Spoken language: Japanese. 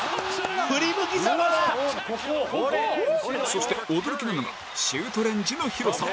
そして驚きなのがシュートレンジの広さ